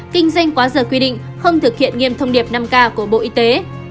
kinh doanh quá giờ quy định không thực hiện nghiêm thông điệp năm k của bộ y tế